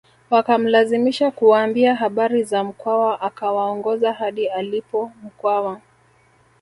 Wakamlazimisha kuwaambia habari za Mkwawa akawaongoza hadi alipo Mkwawa